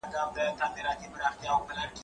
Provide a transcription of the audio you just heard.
که وخت وي سينه سپين کوم